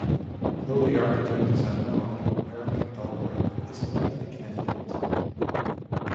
Though the architect is unknown, Erik Dahlbergh is a likely candidate.